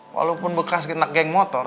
walaupun bekas geng motor